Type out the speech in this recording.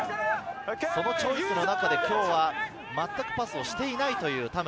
そのチョイスの中で、今日はまったくパスをしていない田村。